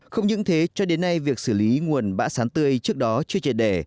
không những thế cho đến nay việc xử lý nguồn bã sán tươi trước đó chưa chế đẻ